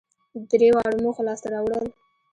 د درېواړو موخو لاسته راوړل